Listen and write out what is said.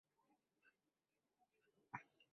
আমি একটা অক্ষর দেখতে পাচ্ছি।